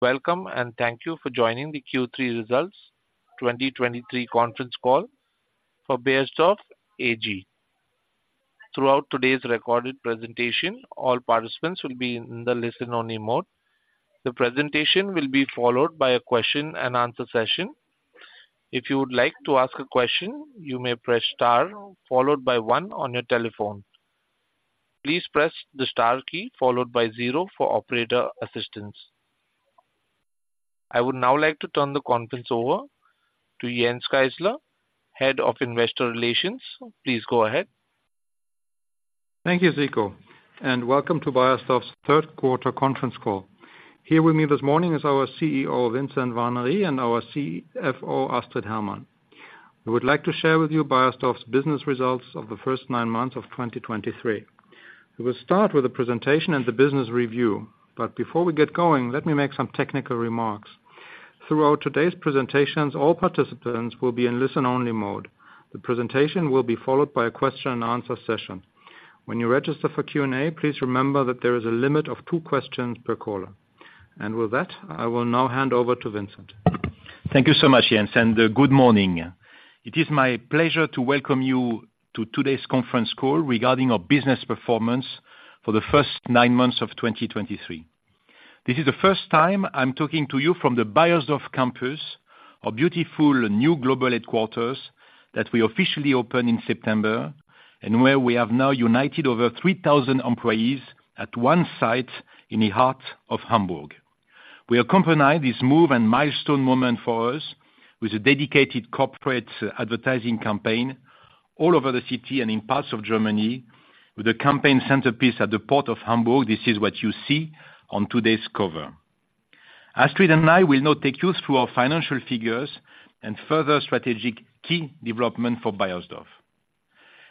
Welcome, and thank you for joining the Q3 2023 results conference call for Beiersdorf AG. Throughout today's recorded presentation, all participants will be in the listen-only mode. The presentation will be followed by a question and answer session. If you would like to ask a question, you may press star followed by one on your telephone. Please press the star key followed by zero for operator assistance. I would now like to turn the conference over to Jens Geissler, Head of Investor Relations. Please go ahead. Thank you, Ziko, and welcome to Beiersdorf's third quarter conference call. Here with me this morning is our CEO, Vincent Warnery, and our CFO, Astrid Hermann. We would like to share with you Beiersdorf's business results of the first nine months of 2023. We will start with a presentation and the business review, but before we get going, let me make some technical remarks. Throughout today's presentations, all participants will be in listen-only mode. The presentation will be followed by a question and answer session. When you register for Q&A, please remember that there is a limit of two questions per caller. With that, I will now hand over to Vincent. Thank you so much, Jens, and good morning. It is my pleasure to welcome you to today's conference call regarding our business performance for the first nine months of 2023. This is the first time I'm talking to you from the Beiersdorf Campus, our beautiful new global headquarters that we officially opened in September, and where we have now united over 3,000 employees at one site in the heart of Hamburg. We accompanied this move and milestone moment for us with a dedicated corporate advertising campaign all over the city and in parts of Germany, with a campaign centerpiece at the Port of Hamburg. This is what you see on today's cover. Astrid and I will now take you through our financial figures and further strategic key development for Beiersdorf.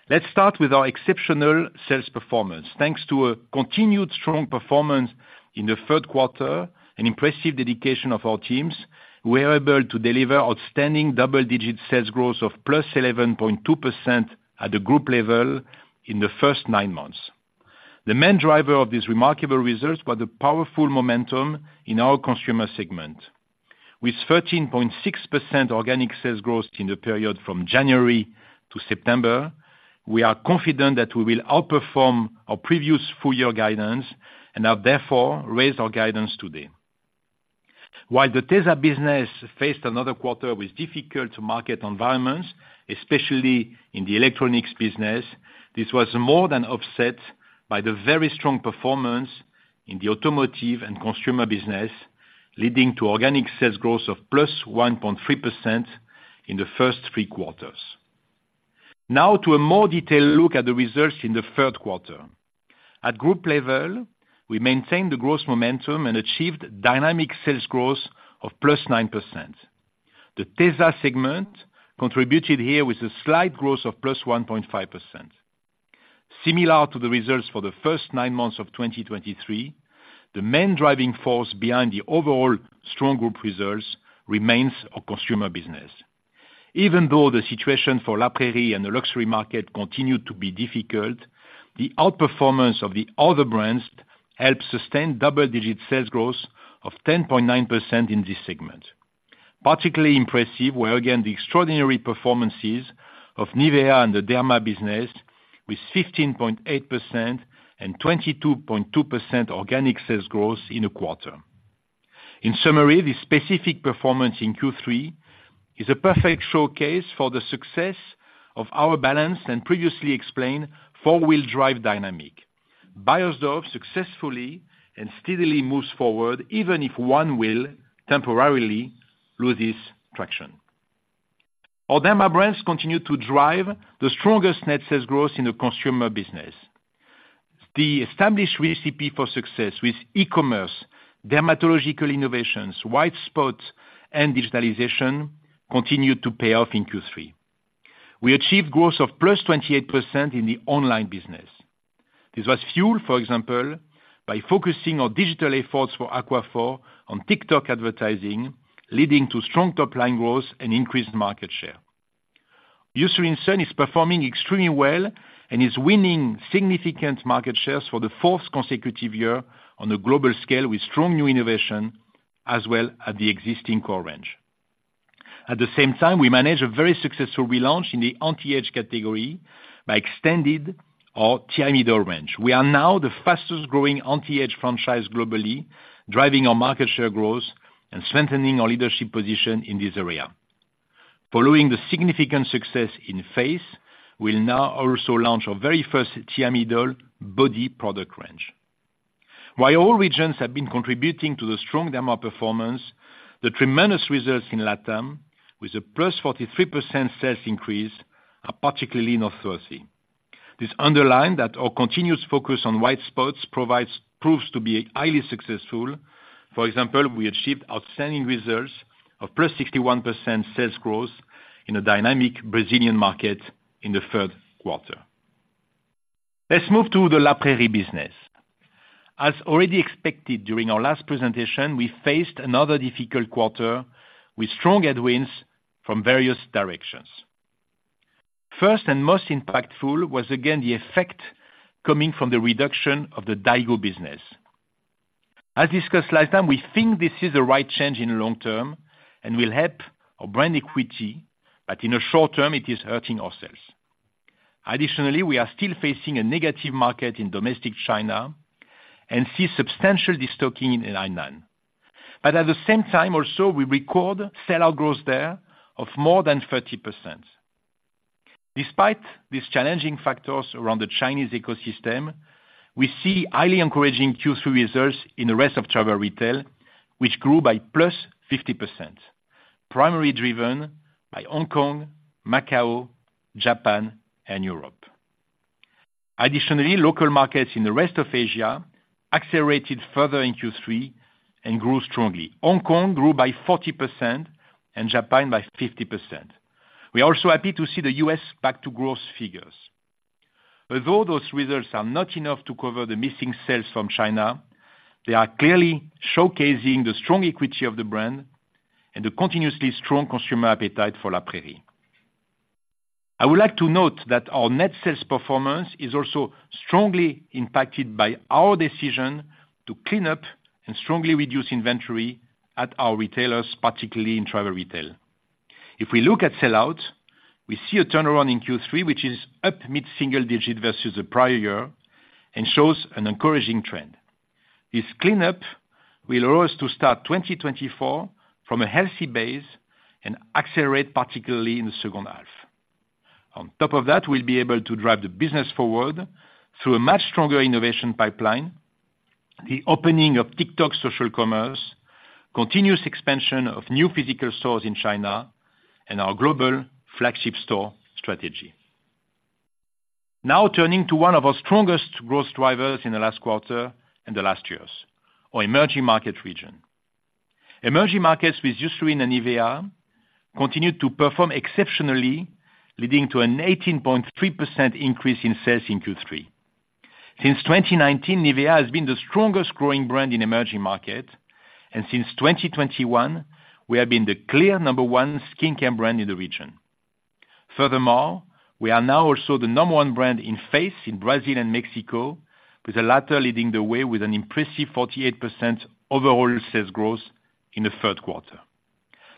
Let's start with our exceptional sales performance. Thanks to a continued strong performance in the third quarter and impressive dedication of our teams, we are able to deliver outstanding double-digit sales growth of +11.2% at the group level in the first nine months. The main driver of these remarkable results was the powerful momentum in our consumer segment. With 13.6% organic sales growth in the period from January to September, we are confident that we will outperform our previous full year guidance and have therefore raised our guidance today. While the Tesa business faced another quarter with difficult market environments, especially in the electronics business, this was more than offset by the very strong performance in the automotive and consumer business, leading to organic sales growth of +1.3% in the first three quarters. Now to a more detailed look at the results in the third quarter. At group level, we maintained the growth momentum and achieved dynamic sales growth of +9%. The Tesa segment contributed here with a slight growth of +1.5%. Similar to the results for the first nine months of 2023, the main driving force behind the overall strong group results remains our consumer business. Even though the situation for La Prairie and the luxury market continued to be difficult, the outperformance of the other brands helped sustain double-digit sales growth of 10.9% in this segment. Particularly impressive were, again, the extraordinary performances of NIVEA and the Derma business, with 15.8% and 22.2% organic sales growth in a quarter. In summary, this specific performance in Q3 is a perfect showcase for the success of our balanced and previously explained four-wheel drive dynamic. Beiersdorf successfully and steadily moves forward, even if one wheel temporarily loses traction. Our Derma brands continue to drive the strongest net sales growth in the consumer business. The established recipe for success with e-commerce, dermatological innovations, white spots and digitalization continued to pay off in Q3. We achieved growth of +28% in the online business. This was fueled, for example, by focusing our digital efforts for Aquaphor on TikTok advertising, leading to strong top line growth and increased market share. Eucerin is performing extremely well and is winning significant market shares for the fourth consecutive year on a global scale, with strong new innovation as well at the existing core range. At the same time, we managed a very successful relaunch in the anti-age category by extending our Thiamidol range. We are now the fastest growing anti-age franchise globally, driving our market share growth and strengthening our leadership position in this area. Following the significant success in face, we'll now also launch our very first Thiamidol body product range. While all regions have been contributing to the strong Derma performance, the tremendous results in LATAM, with a +43% sales increase, are particularly noteworthy. This underlines that our continuous focus on white spots proves to be highly successful. For example, we achieved outstanding results of +61% sales growth in a dynamic Brazilian market in the third quarter. Let's move to the La Prairie business. As already expected, during our last presentation, we faced another difficult quarter with strong headwinds from various directions. First and most impactful was, again, the effect coming from the reduction of the daigou business. As discussed last time, we think this is the right change in the long term, and will help our brand equity, but in the short term, it is hurting our sales. Additionally, we are still facing a negative market in domestic China and see substantial destocking in online. But at the same time also, we record sell-out growth there of more than 30%. Despite these challenging factors around the Chinese ecosystem, we see highly encouraging Q3 results in the rest of travel retail, which grew by +50%, primarily driven by Hong Kong, Macau, Japan, and Europe. Additionally, local markets in the rest of Asia accelerated further in Q3 and grew strongly. Hong Kong grew by 40% and Japan by 50%. We are also happy to see the U.S. back to growth figures. Although those results are not enough to cover the missing sales from China, they are clearly showcasing the strong equity of the brand and the continuously strong consumer appetite for La Prairie. I would like to note that our net sales performance is also strongly impacted by our decision to clean up and strongly reduce inventory at our retailers, particularly in travel retail. If we look at sell-out, we see a turnaround in Q3, which is up mid-single digit versus the prior year and shows an encouraging trend. This cleanup will allow us to start 2024 from a healthy base and accelerate, particularly in the second half. On top of that, we'll be able to drive the business forward through a much stronger innovation pipeline, the opening of TikTok social commerce, continuous expansion of new physical stores in China, and our global flagship store strategy. Now, turning to one of our strongest growth drivers in the last quarter and the last years, our emerging market region. Emerging markets with Eucerin and NIVEA continued to perform exceptionally, leading to an 18.3% increase in sales in Q3. Since 2019, NIVEA has been the strongest growing brand in emerging market, and since 2021, we have been the clear number one skincare brand in the region. Furthermore, we are now also the number one brand in face in Brazil and Mexico, with the latter leading the way with an impressive 48% overall sales growth in the third quarter.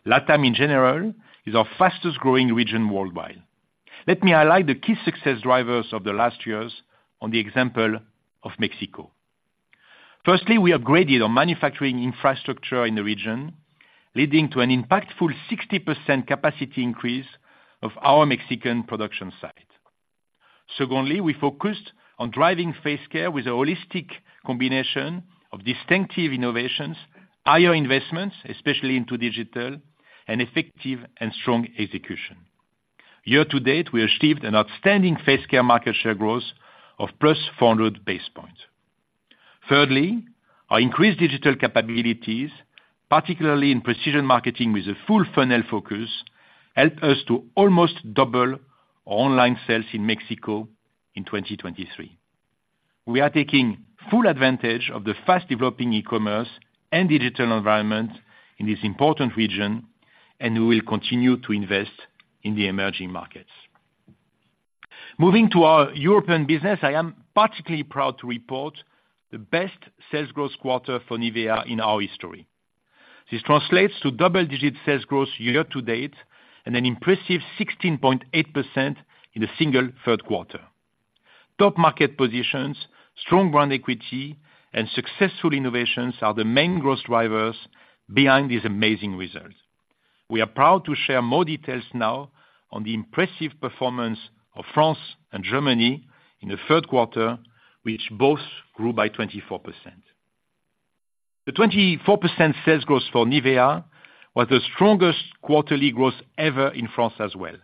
LATAM, in general, is our fastest growing region worldwide. Let me highlight the key success drivers of the last years on the example of Mexico. Firstly, we upgraded our manufacturing infrastructure in the region, leading to an impactful 60% capacity increase of our Mexican production site. Secondly, we focused on driving face care with a holistic combination of distinctive innovations, higher investments, especially into digital, and effective and strong execution. Year to date, we achieved an outstanding face care market share growth of +400 basis points. Thirdly, our increased digital capabilities, particularly in precision marketing with a full funnel focus, helped us to almost double our online sales in Mexico in 2023. We are taking full advantage of the fast-developing e-commerce and digital environment in this important region, and we will continue to invest in the emerging markets. Moving to our European business, I am particularly proud to report the best sales growth quarter for NIVEA in our history. This translates to double-digit sales growth year to date and an impressive 16.8% in the single third quarter. Top market positions, strong brand equity, and successful innovations are the main growth drivers behind these amazing results. We are proud to share more details now on the impressive performance of France and Germany in the third quarter, which both grew by 24%. The 24% sales growth for NIVEA was the strongest quarterly growth ever in France as well.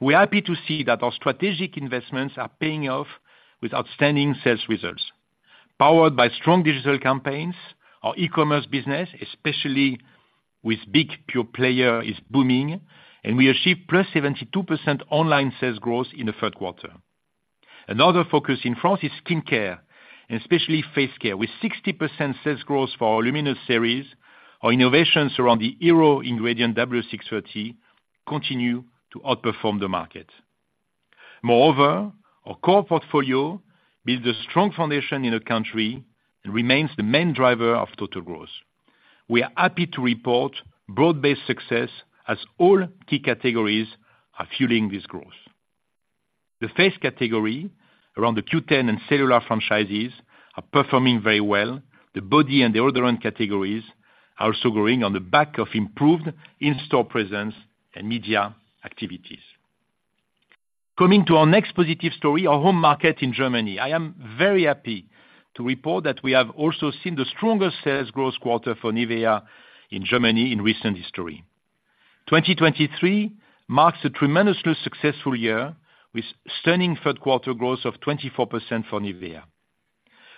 We are happy to see that our strategic investments are paying off with outstanding sales results. Powered by strong digital campaigns, our e-commerce business, especially with big pure player, is booming, and we achieved +72% online sales growth in the third quarter. Another focus in France is skincare, and especially face care. With 60% sales growth for our Luminous series, our innovations around the hero ingredient W630 continue to outperform the market. Moreover, our core portfolio builds a strong foundation in the country and remains the main driver of total growth. We are happy to report broad-based success as all key categories are fueling this growth. The face category around the Q10 and cellular franchises are performing very well. The body and the other categories are also growing on the back of improved in-store presence and media activities. Coming to our next positive story, our home market in Germany. I am very happy to report that we have also seen the strongest sales growth quarter for NIVEA in Germany in recent history. 2023 marks a tremendously successful year, with stunning third quarter growth of 24% for NIVEA.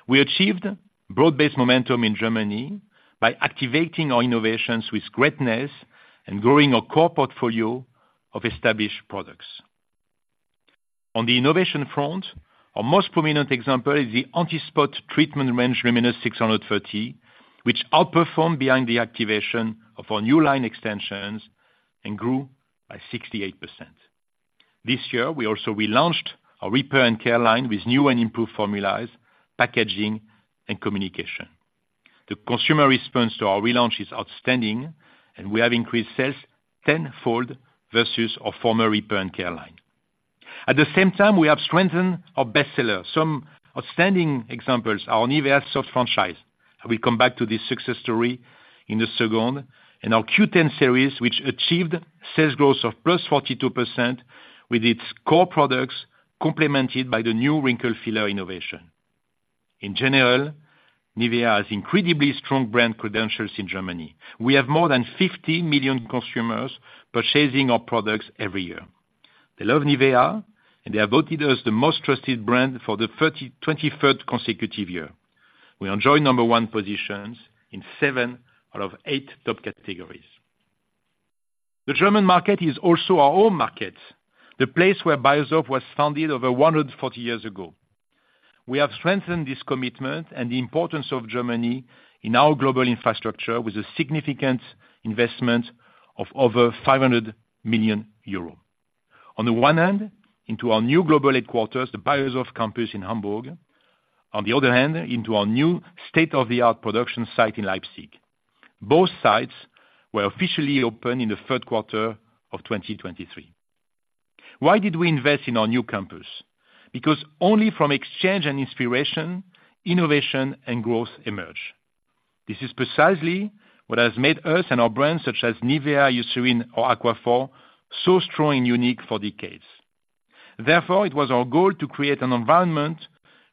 We achieved broad-based momentum in Germany by activating our innovations with greatness and growing our core portfolio of established products. On the innovation front, our most prominent example is the anti-spot treatment range, LUMINOUS630, which outperformed behind the activation of our new line extensions and grew by 68%. This year, we also relaunched our Repair & Care line with new and improved formulas, packaging, and communication. The consumer response to our relaunch is outstanding, and we have increased sales tenfold versus our former Repair & Care line. At the same time, we have strengthened our bestsellers. Some outstanding examples, our NIVEA Soft franchise. I will come back to this success story in a second, and our Q10 series, which achieved sales growth of +42% with its core products, complemented by the new wrinkle filler innovation. In general, NIVEA has incredibly strong brand credentials in Germany. We have more than 50 million consumers purchasing our products every year. They love NIVEA, and they have voted us the most trusted brand for the 32nd consecutive year. We enjoy number one positions in seven out of eight top categories. The German market is also our home market, the place where Beiersdorf was founded over 140 years ago. We have strengthened this commitment and the importance of Germany in our global infrastructure with a significant investment of over 500 million euros. On the one hand, into our new global headquarters, the Beiersdorf Campus in Hamburg. On the other hand, into our new state-of-the-art production site in Leipzig. Both sites were officially opened in the third quarter of 2023. Why did we invest in our new campus? Because only from exchange and inspiration, innovation and growth emerge. This is precisely what has made us and our brands, such as NIVEA, Eucerin, or Aquaphor, so strong and unique for decades. Therefore, it was our goal to create an environment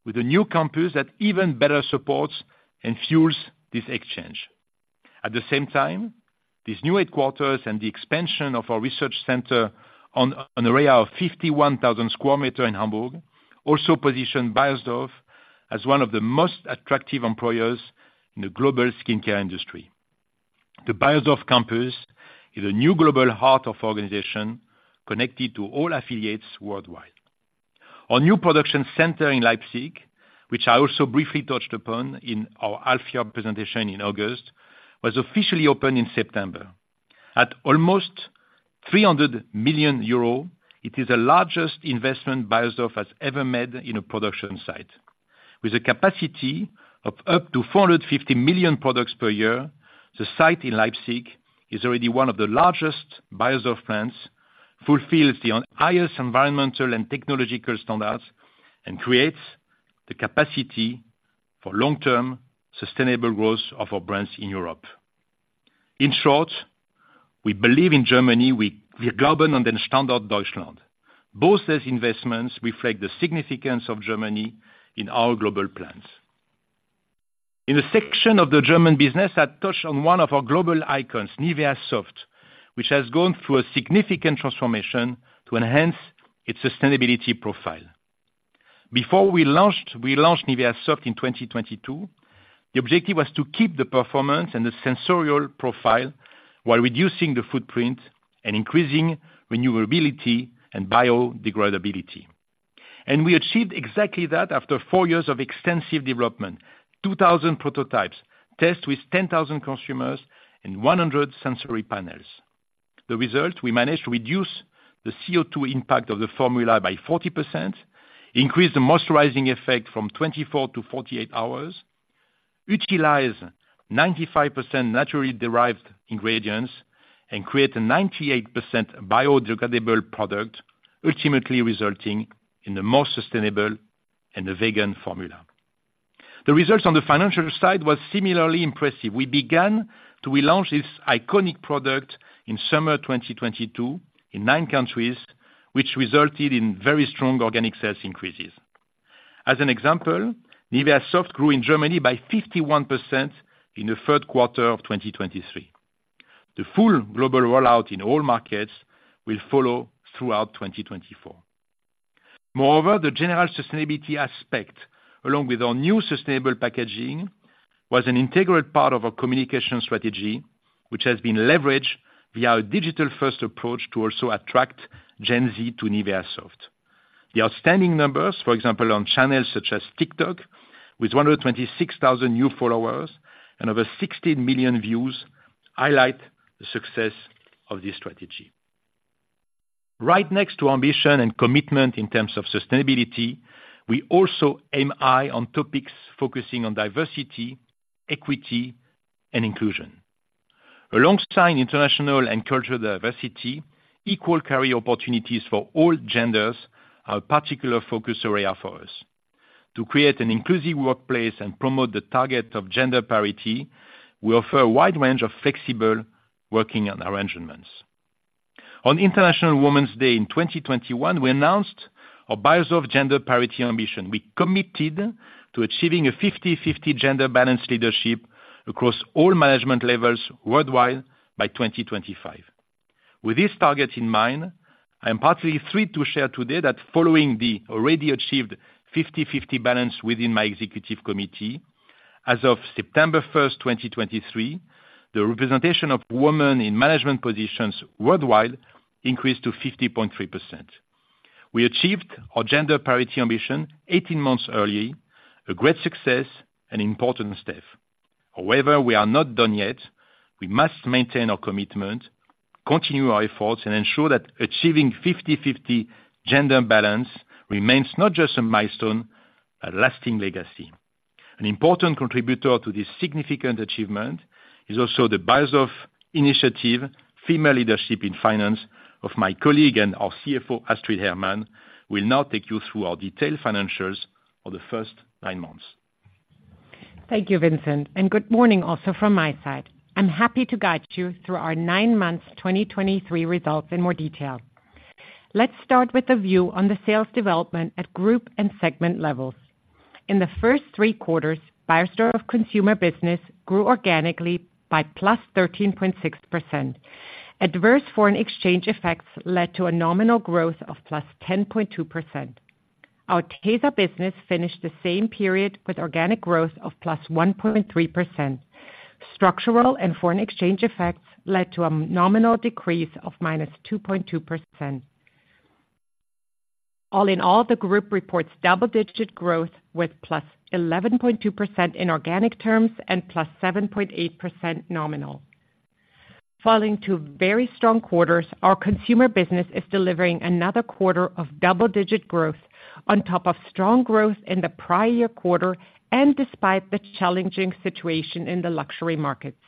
with a new campus that even better supports and fuels this exchange. At the same time, these new headquarters and the expansion of our research center on an area of 51,000 sq m in Hamburg, also positioned Beiersdorf as one of the most attractive employers in the global skincare industry. The Beiersdorf Campus is a new global heart of organization connected to all affiliates worldwide. Our new production center in Leipzig, which I also briefly touched upon in our half-year presentation in August, was officially opened in September. At almost 300 million euros, it is the largest investment Beiersdorf has ever made in a production site. With a capacity of up to 450 million products per year, the site in Leipzig is already one of the largest Beiersdorf plants, fulfills the highest environmental and technological standards, and creates the capacity for long-term sustainable growth of our brands in Europe. In short, we believe in Germany, wir glauben an den Standort Deutschland. Both these investments reflect the significance of Germany in our global plans. In a section of the German business, I touched on one of our global icons, NIVEA Soft, which has gone through a significant transformation to enhance its sustainability profile. Before we launched, we launched NIVEA Soft in 2022, the objective was to keep the performance and the sensorial profile while reducing the footprint and increasing renewability and biodegradability. We achieved exactly that after four years of extensive development, 2,000 prototypes, tests with 10,000 consumers, and 100 sensory panels. The result, we managed to reduce the CO₂ impact of the formula by 40%, increase the moisturizing effect from 24 to 48 hours, utilize 95% naturally derived ingredients, and create a 98% biodegradable product, ultimately resulting in the most sustainable and a vegan formula. The results on the financial side was similarly impressive. We began to relaunch this iconic product in summer 2022 in nine countries, which resulted in very strong organic sales increases. As an example, NIVEA Soft grew in Germany by 51% in the third quarter of 2023. The full global rollout in all markets will follow throughout 2024. Moreover, the general sustainability aspect, along with our new sustainable packaging, was an integral part of our communication strategy, which has been leveraged via our digital-first approach to also attract Gen Z to NIVEA Soft. The outstanding numbers, for example, on channels such as TikTok, with 126,000 new followers and over 16 million views, highlight the success of this strategy. Right next to ambition and commitment in terms of sustainability, we also aim high on topics focusing on diversity, equity, and inclusion. Alongside international and cultural diversity, equal career opportunities for all genders are a particular focus area for us. To create an inclusive workplace and promote the target of gender parity, we offer a wide range of flexible working arrangements. On International Women's Day in 2021, we announced our Beiersdorf gender parity ambition. We committed to achieving a 50/50 gender balance leadership across all management levels worldwide by 2025. With this target in mind, I am partly thrilled to share today that following the already achieved 50/50 balance within my executive committee, as of September 1st, 2023, the representation of women in management positions worldwide increased to 50.3%. We achieved our gender parity ambition 18 months early, a great success and important step. However, we are not done yet. We must maintain our commitment, continue our efforts, and ensure that achieving 50/50 gender balance remains not just a milestone, a lasting legacy. An important contributor to this significant achievement is also the Beiersdorf Initiative, Female Leadership in Finance, of my colleague and our CFO, Astrid Hermann, will now take you through our detailed financials for the first nine months. Thank you, Vincent, and good morning also from my side. I'm happy to guide you through our nine months 2023 results in more detail. Let's start with a view on the sales development at group and segment levels. In the first three quarters, Beiersdorf consumer business grew organically by +13.6%. Adverse foreign exchange effects led to a nominal growth of +10.2%. Our Tesa business finished the same period with organic growth of +1.3%. Structural and foreign exchange effects led to a nominal decrease of -2.2%. All in all, the group reports double-digit growth with +11.2% in organic terms and +7.8% nominal. Following two very strong quarters, our consumer business is delivering another quarter of double-digit growth on top of strong growth in the prior quarter, and despite the challenging situation in the luxury markets.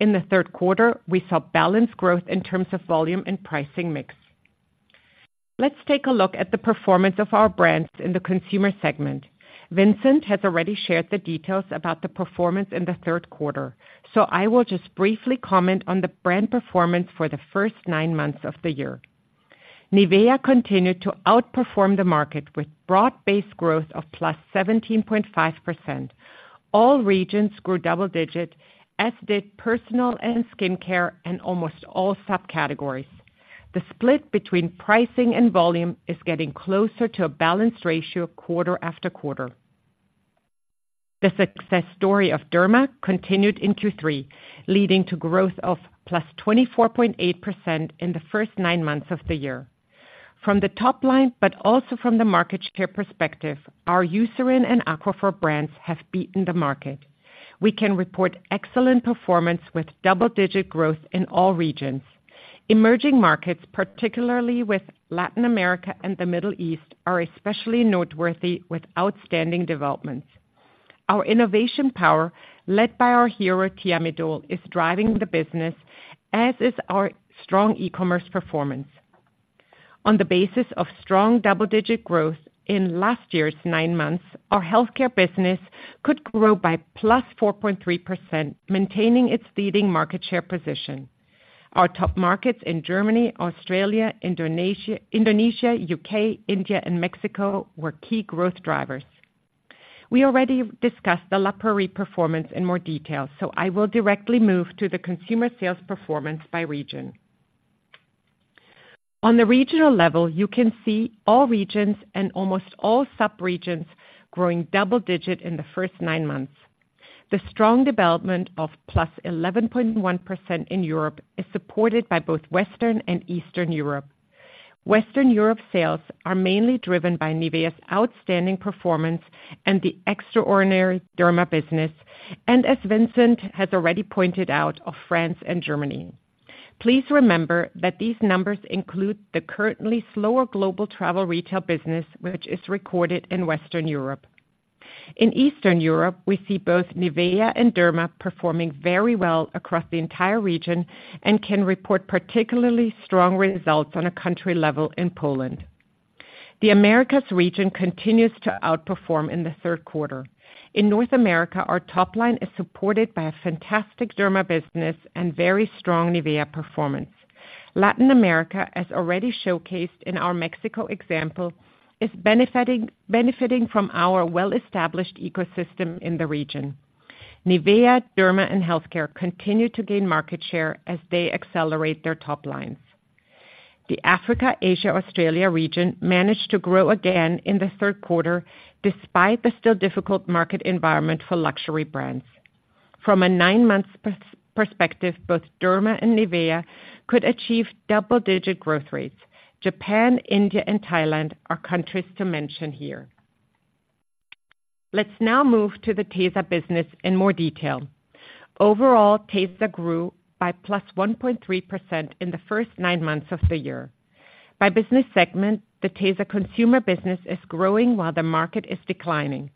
In the third quarter, we saw balanced growth in terms of volume and pricing mix. Let's take a look at the performance of our brands in the consumer segment. Vincent has already shared the details about the performance in the third quarter, so I will just briefly comment on the brand performance for the first nine months of the year. NIVEA continued to outperform the market with broad-based growth of +17.5%. All regions grew double digit, as did personal and skincare, and almost all subcategories. The split between pricing and volume is getting closer to a balanced ratio quarter after quarter. The success story of Derma continued in Q3, leading to growth of +24.8% in the first nine months of the year. From the top line, but also from the market share perspective, our Eucerin and Aquaphor brands have beaten the market. We can report excellent performance with double-digit growth in all regions. Emerging markets, particularly with Latin America and the Middle East, are especially noteworthy with outstanding developments. Our innovation power, led by our hero, Thiamidol, is driving the business, as is our strong e-commerce performance. On the basis of strong double-digit growth in last year's nine months, our healthcare business could grow by +4.3%, maintaining its leading market share position. Our top markets in Germany, Australia, Indonesia, UK, India, and Mexico were key growth drivers. We already discussed the La Prairie performance in more detail, so I will directly move to the consumer sales performance by region. On the regional level, you can see all regions and almost all sub-regions growing double-digit in the first nine months. The strong development of +11.1% in Europe is supported by both Western and Eastern Europe. Western Europe sales are mainly driven by NIVEA's outstanding performance and the extraordinary Derma business, and as Vincent has already pointed out, of France and Germany. Please remember that these numbers include the currently slower global travel retail business, which is recorded in Western Europe. In Eastern Europe, we see both Nivea and Derma performing very well across the entire region and can report particularly strong results on a country level in Poland. The Americas region continues to outperform in the third quarter. In North America, our top line is supported by a fantastic Derma business and very strong NIVEA performance. Latin America, as already showcased in our Mexico example, is benefiting from our well-established ecosystem in the region. NIVEA, Derma, and Healthcare continue to gain market share as they accelerate their top lines. The Africa-Asia-Australia region managed to grow again in the third quarter, despite the still difficult market environment for luxury brands. From a nine-month perspective, both Derma and NIVEA could achieve double-digit growth rates. Japan, India, and Thailand are countries to mention here. Let's now move to the Tesa business in more detail. Overall, Tesa grew by +1.3% in the first nine months of the year. By business segment, the Tesa Consumer business is growing while the market is declining.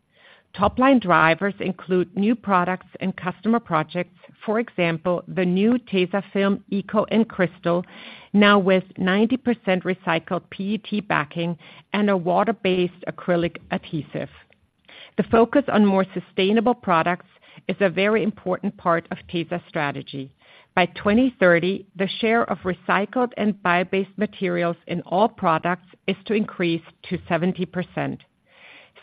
Top-line drivers include new products and customer projects. For example, the new Tesafilm Eco and Crystal, now with 90% recycled PET backing and a water-based acrylic adhesive. The focus on more sustainable products is a very important part of Tesa's strategy. By 2030, the share of recycled and bio-based materials in all products is to increase to 70%.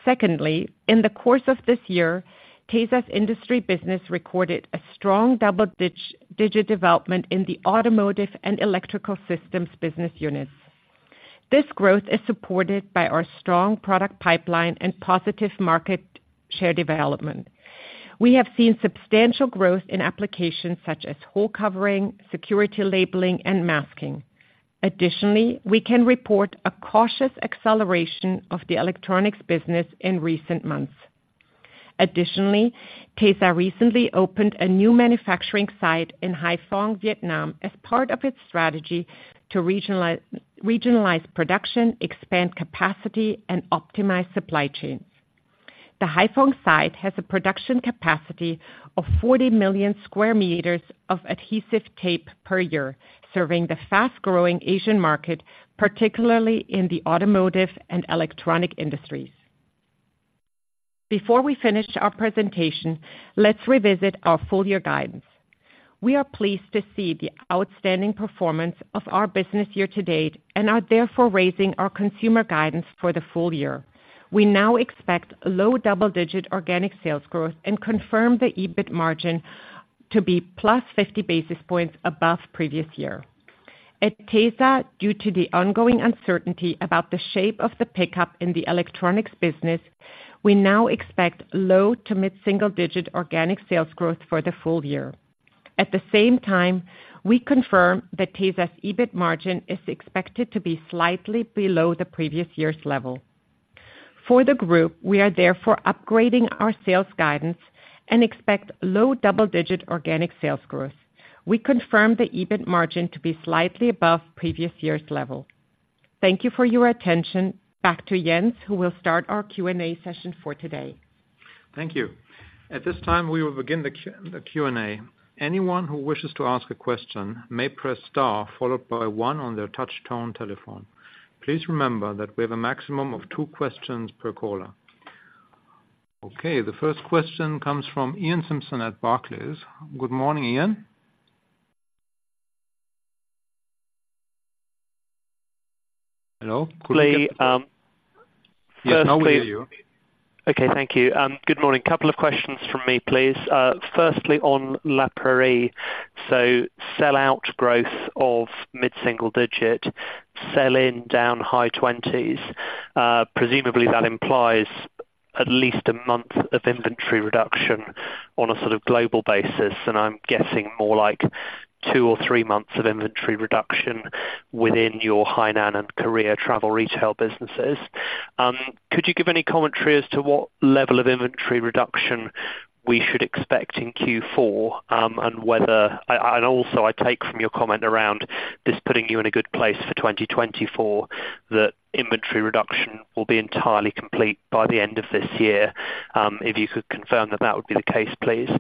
Secondly, in the course of this year, Tesa's industry business recorded a strong double-digit development in the automotive and electrical systems business units. This growth is supported by our strong product pipeline and positive market share development. We have seen substantial growth in applications such as hole covering, security labeling, and masking. Additionally, we can report a cautious acceleration of the electronics business in recent months. Additionally, Tesa recently opened a new manufacturing site in Haiphong, Vietnam, as part of its strategy to regionalize production, expand capacity, and optimize supply chains. The Haiphong site has a production capacity of 40 million sq m of adhesive tape per year, serving the fast-growing Asian market, particularly in the automotive and electronic industries. Before we finish our presentation, let's revisit our full year guidance. We are pleased to see the outstanding performance of our business year to date, and are therefore raising our consumer guidance for the full year. We now expect low double-digit organic sales growth and confirm the EBIT margin to be +50 basis points above previous year. At Tesa, due to the ongoing uncertainty about the shape of the pickup in the electronics business, we now expect low- to mid-single-digit organic sales growth for the full year. At the same time, we confirm that Tesa's EBIT margin is expected to be slightly below the previous year's level. For the group, we are therefore upgrading our sales guidance and expect low double digit organic sales growth. We confirm the EBIT margin to be slightly above previous year's level. Thank you for your attention. Back to Jens, who will start our Q&A session for today. Thank you. At this time, we will begin the Q&A. Anyone who wishes to ask a question may press star, followed by one on their touch tone telephone. Please remember that we have a maximum of two questions per caller. Okay, the first question comes from Iain Simpson at Barclays. Good morning, Ian? Hello? Okay Yes, now we hear you. Okay, thank you. Good morning. Couple of questions from me, please. Firstly, on La Prairie. So sell out growth of mid-single digit, sell in down high-20s. Presumably that implies at least a month of inventory reduction on a sort of global basis, and I'm guessing more like two or three months of inventory reduction within your Hainan and Korea travel retail businesses. Could you give any commentary as to what level of inventory reduction we should expect in Q4? And whether and also, I take from your comment around this putting you in a good place for 2024, that inventory reduction will be entirely complete by the end of this year. If you could confirm that that would be the case, please.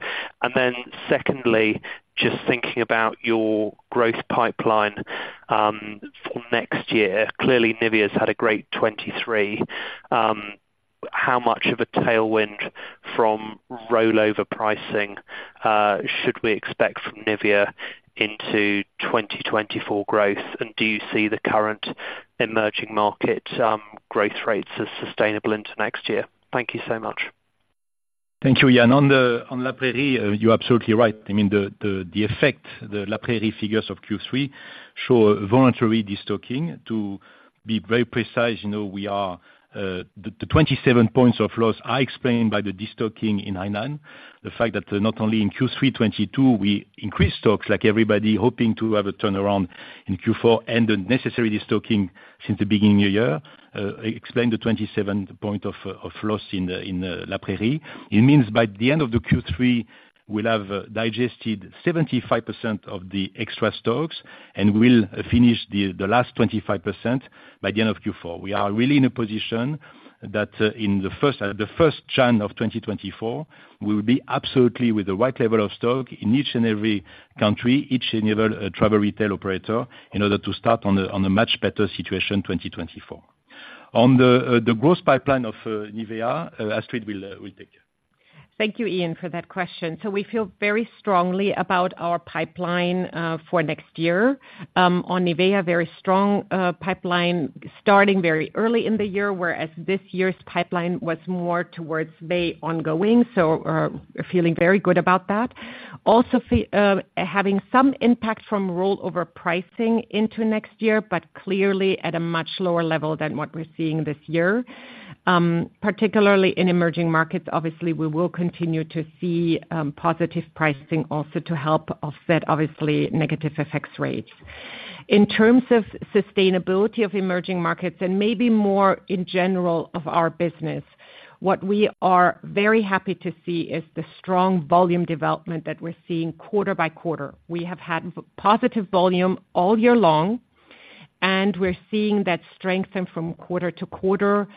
And then secondly, just thinking about your growth pipeline, for next year. Clearly, NIVEA's had a great 2023. How much of a tailwind from rollover pricing should we expect from NIVEA into 2024 growth? And do you see the current emerging market growth rates as sustainable into next year? Thank you so much. Thank you, Iain. On La Prairie, you're absolutely right. I mean, the effect, the La Prairie figures of Q3 show voluntary destocking. To be very precise, you know, we are, the 27 points of loss are explained by the destocking in Hainan. The fact that not only in Q3 2022 we increased stocks like everybody, hoping to have a turnaround in Q4 and the necessary destocking since the beginning of the year, explained the 27 point of loss in La Prairie. It means by the end of the Q3, we'll have digested 75% of the extra stocks, and we'll finish the last 25% by the end of Q4. We are really in a position that in the first chance of 2024, we will be absolutely with the right level of stock in each and every country, each and every travel retail operator, in order to start on a much better situation 2024. On the growth pipeline of NIVEA, Astrid will take it. Thank you, Iain, for that question. So we feel very strongly about our pipeline for next year. On NIVEA, very strong pipeline starting very early in the year, whereas this year's pipeline was more towards May ongoing, so we're feeling very good about that. Also, having some impact from rollover pricing into next year, but clearly at a much lower level than what we're seeing this year. Particularly in emerging markets, obviously, we will continue to see positive pricing also to help offset, obviously, negative effects rates. In terms of sustainability of emerging markets, and maybe more in general of our business, what we are very happy to see is the strong volume development that we're seeing quarter by quarter. We have had positive volume all year long, and we're seeing that strengthen from quarter to quarter.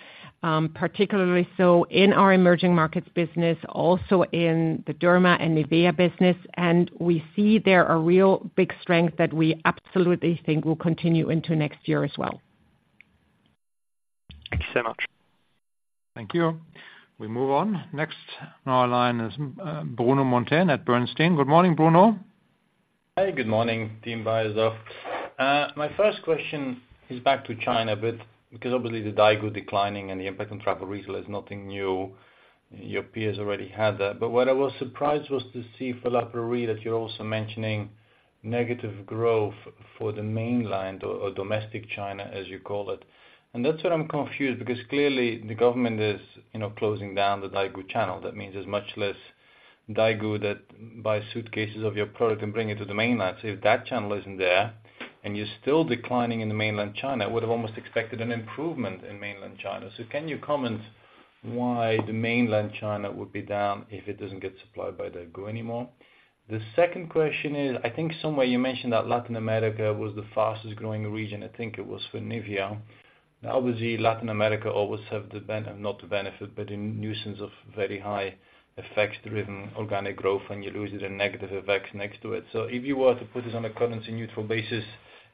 Particularly so in our emerging markets business, also in the Derma and NIVEA business, and we see there a real big strength that we absolutely think will continue into next year as well. Thank you so much. Thank you. We move on. Next on our line is, Bruno Monteyne at Bernstein. Good morning, Bruno. Hi, good morning, team Beiersdorf. My first question is back to China, because obviously the daigou declining and the impact on travel retail is nothing new. Your peers already had that. But what I was surprised was to see for La Prairie, that you're also mentioning negative growth for the mainland or domestic China, as you call it. And that's where I'm confused, because clearly the government is, you know, closing down the daigou channel. That means there's much less daigou that buy suitcases of your product and bring it to the mainland. So if that channel isn't there, and you're still declining in the mainland China, would've almost expected an improvement in mainland China. So can you comment why the mainland China would be down if it doesn't get supplied by daigou anymore? The second question is, I think somewhere you mentioned that Latin America was the fastest growing region, I think it was for NIVEA. Obviously, Latin America always have the bene- not the benefit, but the nuisance of very high effect driven organic growth, and you lose the negative effects next to it. So if you were to put this on a currency neutral basis,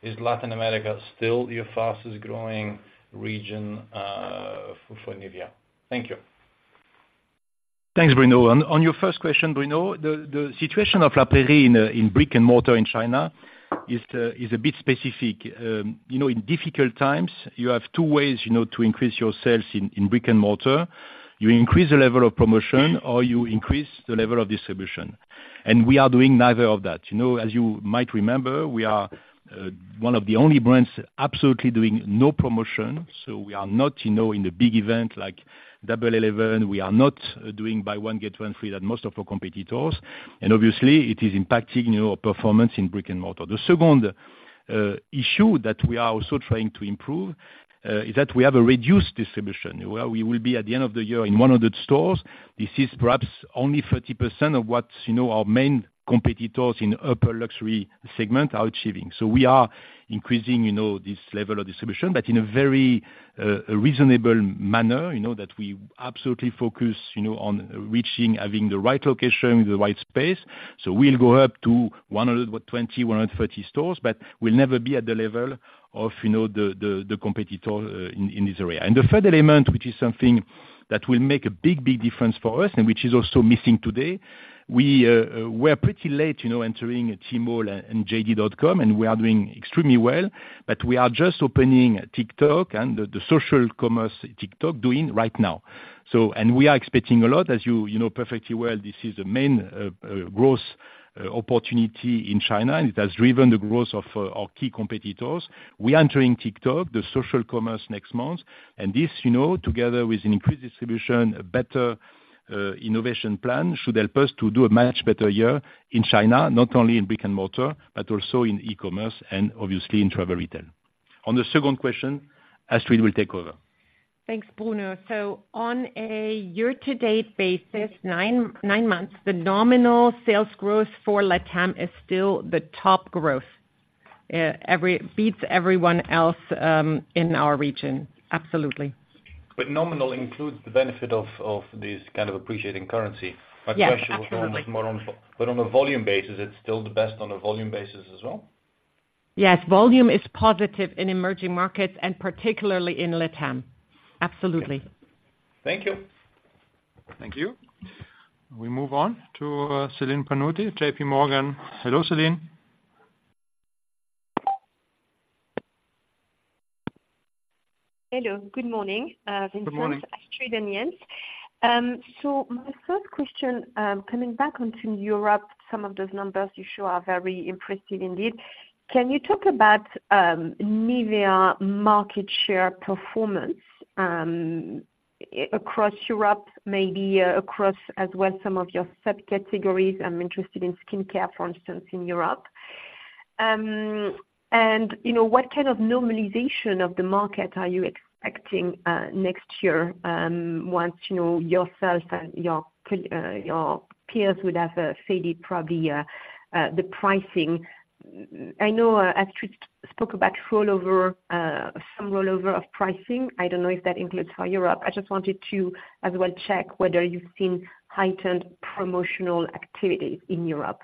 is Latin America still your fastest growing region, for NIVEA? Thank you. Thanks, Bruno. On your first question, Bruno, the situation of La Prairie in brick and mortar in China is a bit specific. You know, in difficult times, you have two ways, you know, to increase your sales in brick and mortar. You increase the level of promotion, or you increase the level of distribution, and we are doing neither of that. You know, as you might remember, we are one of the only brands absolutely doing no promotion, so we are not, you know, in the big event like Double 11, we are not doing buy one, get one free, that most of our competitors. And obviously, it is impacting, you know, performance in brick and mortar. The second issue that we are also trying to improve is that we have a reduced distribution, where we will be, at the end of the year, in 100 stores. This is perhaps only 30% of what, you know, our main competitors in upper luxury segment are achieving. So we are increasing, you know, this level of distribution, but in a very reasonable manner, you know, that we absolutely focus, you know, on reaching, having the right location, the right space. So we'll go up to 120-130 stores, but we'll never be at the level of, you know the competitor in this area. And the third element, which is something that will make a big difference for us, and which is also missing today. We're pretty late, you know, entering Tmall and JD.com, and we are doing extremely well. But we are just opening TikTok and the social commerce TikTok doing right now. So, and we are expecting a lot, as you know perfectly well, this is the main growth opportunity in China, and it has driven the growth of our key competitors. We entering TikTok, the social commerce, next month, and this, you know, together with an increased distribution, a better innovation plan, should help us to do a much better year in China. Not only in brick and mortar, but also in e-commerce, and obviously in travel retail. On the second question, Astrid will take over. Thanks, Bruno. So on a year-to-date basis, nine months, the nominal sales growth for LATAM is still the top growth. Beats everyone else in our region. Absolutely. But nominal includes the benefit of this kind of appreciating currency. Yes, absolutely. My question was more on, but on a volume basis, it's still the best on a volume basis as well? Yes, volume is positive in emerging markets, and particularly in LATAM. Absolutely. Thank you. Thank you. We move on to, Celine Pannuti, JP Morgan. Hello, Celine. Hello, good morning. Good morning. Vincent, Astrid, and Jens. So my first question, coming back onto Europe, some of those numbers you show are very impressive indeed. Can you talk about NIVEA market share performance across Europe, maybe across as well some of your sub-categories? I'm interested in skincare, for instance, in Europe. And you know, what kind of normalization of the market are you expecting next year once you know, yourself and your peers would have fairly probably the pricing? I know Astrid spoke about rollover some rollover of pricing. I don't know if that includes for Europe. I just wanted to as well check whether you've seen heightened promotional activity in Europe.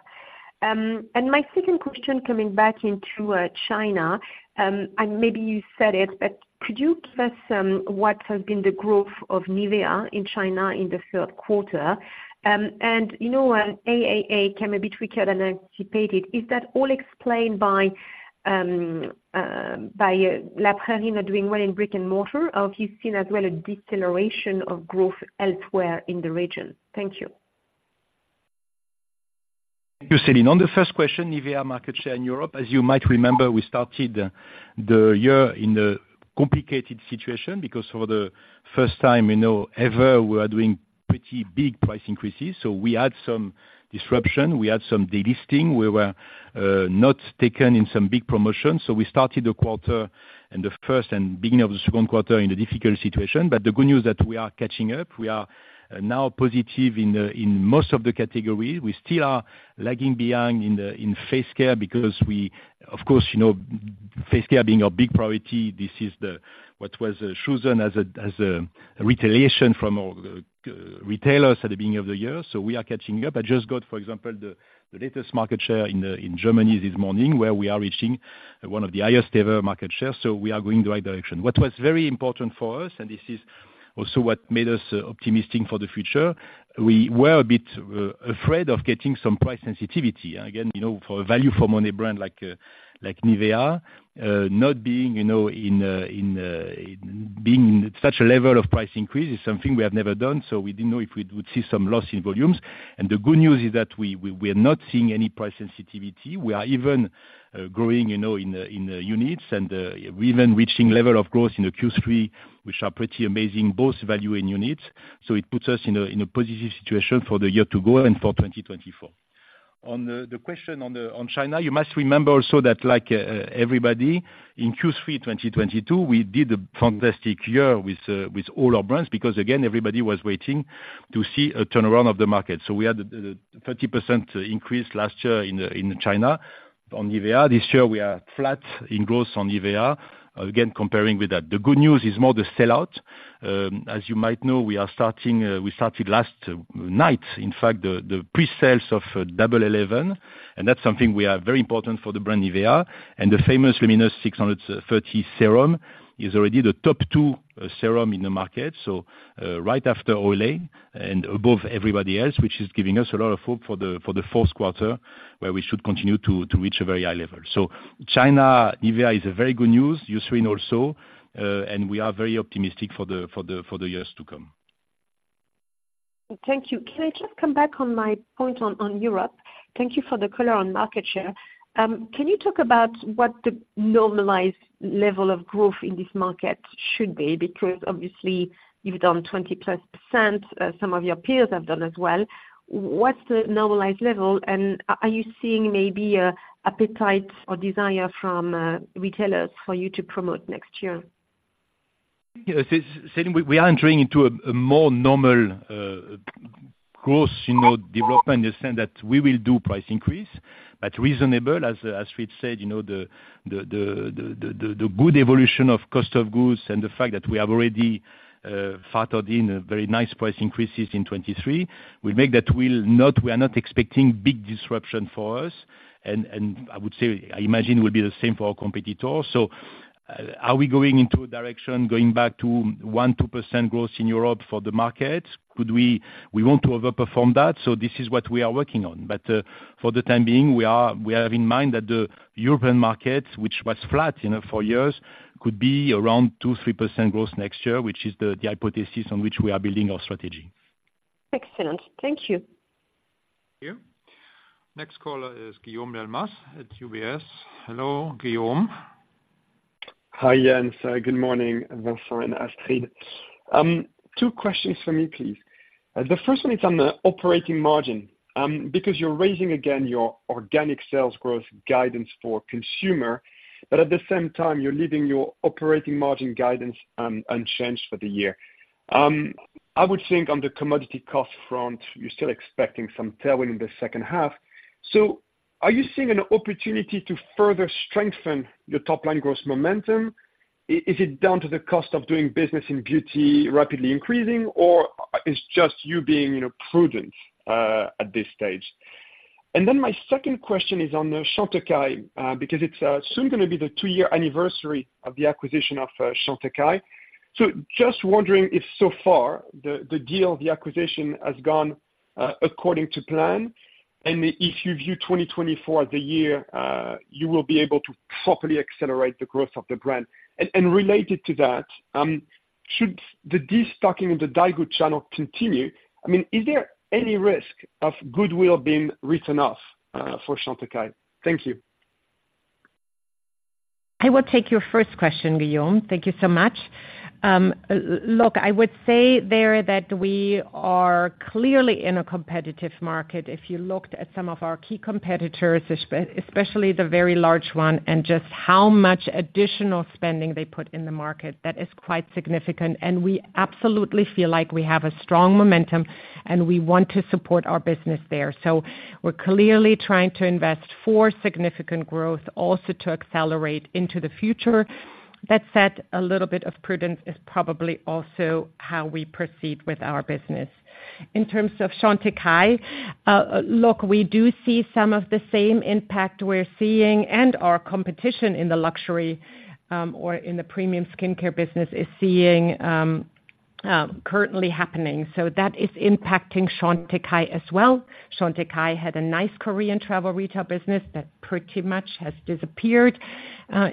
My second question coming back into China, and maybe you said it, but could you give us what has been the growth of NIVEA in China in the third quarter? You know, AAA can be trickier than anticipated. Is that all explained by La Prairie not doing well in brick and mortar, or have you seen as well a deceleration of growth elsewhere in the region? Thank you. Thank you, Celine. On the first question, NIVEA market share in Europe, as you might remember, we started the year in a complicated situation, because for the first time, you know, ever, we are doing pretty big price increases. So we had some disruption, we had some delisting. We were not taken in some big promotions, so we started the quarter and the first and beginning of the second quarter in a difficult situation. But the good news that we are catching up. We are now positive in most of the categories. We still are lagging behind in face care because we, of course, you know, face care being a big priority, this is what was chosen as a retaliation from our retailers at the beginning of the year, so we are catching up. I just got, for example, the latest market share in Germany this morning, where we are reaching one of the highest ever market shares, so we are going the right direction. What was very important for us, and this is also what made us optimistic for the future, we were a bit afraid of getting some price sensitivity. Again, you know, for a value for money brand like NIVEA, not being, you know, in being such a level of price increase is something we have never done, so we didn't know if we would see some loss in volumes. And the good news is that we are not seeing any price sensitivity. We are even growing, you know, in units, and we even reaching level of growth in the Q3, which are pretty amazing, both value and units, so it puts us in a positive situation for the year to go and for 2024. On the question on China, you must remember also that like everybody in Q3 2022, we did a fantastic year with all our brands, because again, everybody was waiting to see a turnaround of the market. So we had the 30% increase last year in China on NIVEA. This year, we are flat in growth on NIVEA, again, comparing with that. The good news is more the sellout. As you might know, we are starting, we started last night, in the presales of Double 11, and that's something we are very important for the brand NIVEA. And the famous LUMINOUS630 serum is already the top two serum in the market, so right after Olay and above everybody else, which is giving us a lot of hope for the fourth quarter, where we should continue to reach a very high level. So China, NIVEA is very good news, Eucerin also, and we are very optimistic for the years to come. Thank you. Can I just come back on my point on Europe? Thank you for the color on market share. Can you talk about what the normalized level of growth in this market should be? Because obviously you've done 20%+, some of your peers have done as well. What's the normalized level, and are you seeing maybe a appetite or desire from retailers for you to promote next year? Yes, it's saying we are entering into a more normal growth, you know, development in the sense that we will do price increase, but reasonable, as we said, you know, the good evolution of cost of goods and the fact that we have already factored in a very nice price increases in 2023, will make that we are not expecting big disruption for us. And I would say, I imagine it will be the same for our competitors. So, are we going into a direction, going back to 1%-2% growth in Europe for the market? We want to overperform that, so this is what we are working on. But, for the time being, we have in mind that the European market, which was flat, you know, for years, could be around 2%-3% growth next year, which is the hypothesis on which we are building our strategy. Excellent. Thank you. Thank you. Next caller is Guillaume Delmas at UBS. Hello, Guillaume. Hi, Jens. Good morning, Vincent and Astrid. Two questions for me, please. The first one is on the operating margin. Because you're raising again your organic sales growth guidance for consumer, but at the same time, you're leaving your operating margin guidance unchanged for the year. I would think on the commodity cost front, you're still expecting some tailwind in the second half, so are you seeing an opportunity to further strengthen your top line growth momentum? Is it down to the cost of doing business in beauty rapidly increasing, or it's just you being, you know, prudent at this stage? And then my second question is on the Chantecaille, because it's soon gonna be the two-year anniversary of the acquisition of Chantecaille. Just wondering if so far the deal, the acquisition has gone according to plan, and if you view 2024 as the year you will be able to properly accelerate the growth of the brand. And related to that, should the destocking in the Daigou channel continue, I mean, is there any risk of goodwill being written off for Chantecaille? Thank you. I will take your first question, Guillaume. Thank you so much. Look, I would say there that we are clearly in a competitive market. If you looked at some of our key competitors, especially the very large one, and just how much additional spending they put in the market, that is quite significant. And we absolutely feel like we have a strong momentum, and we want to support our business there. So we're clearly trying to invest for significant growth, also to accelerate into the future. That said, a little bit of prudence is probably also how we proceed with our business. In terms of Chantecaille, look, we do see some of the same impact we're seeing, and our competition in the luxury, or in the premium skincare business is seeing, currently happening. So that is impacting Chantecaille as well. Chantecaille had a nice Korean travel retail business that pretty much has disappeared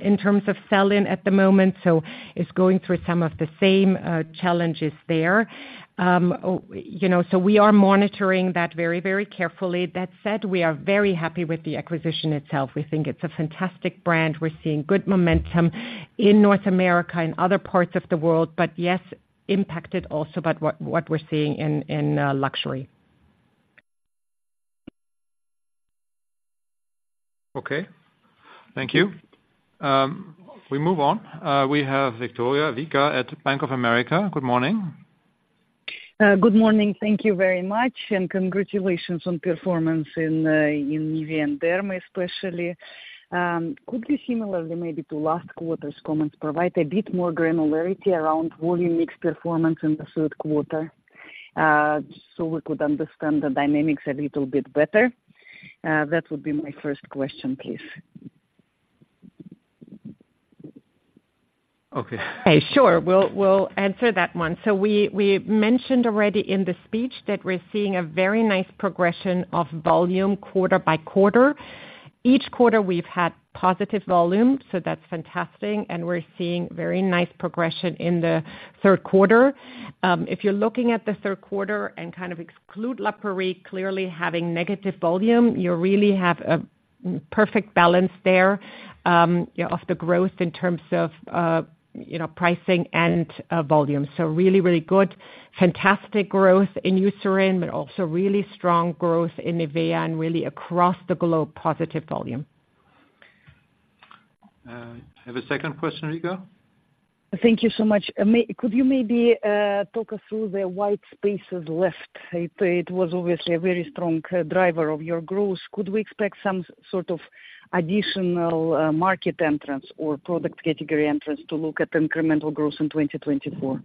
in terms of sell-in at the moment, so it's going through some of the same challenges there. You know, so we are monitoring that very, very carefully. That said, we are very happy with the acquisition itself. We think it's a fantastic brand. We're seeing good momentum in North America and other parts of the world, but yes, impacted also by what we're seeing in luxury. Okay. Thank you. We move on. We have Victoria Vika at Bank of America. Good morning. Good morning. Thank you very much, and congratulations on performance in NIVEA and Derma, especially. Could you similarly, maybe to last quarter's comments, provide a bit more granularity around volume mix performance in the third quarter? So we could understand the dynamics a little bit better. That would be my first question, please. Okay. Sure. We'll answer that one. So we mentioned already in the speech that we're seeing a very nice progression of volume quarter by quarter. Each quarter we've had positive volume, so that's fantastic, and we're seeing very nice progression in the third quarter. If you're looking at the third quarter and kind of exclude La Prairie, clearly having negative volume, you really have a perfect balance there, you know, of the growth in terms of, you know, pricing and volume. So really, really good. Fantastic growth in Eucerin, but also really strong growth in NIVEA, and really across the globe, positive volume. Have a second question, Vika? Thank you so much. Could you maybe talk us through the White Spots left? It was obviously a very strong driver of your growth. Could we expect some sort of additional market entrance or product category entrance to look at incremental growth in 2024?